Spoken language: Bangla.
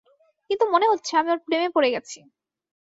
কিন্তু মনে হচ্ছে আমি ওর প্রেমে পড়ে গেছি।